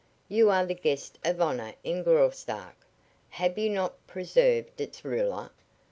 "You are the guest of honor in Graustark. Have you not preserved its ruler?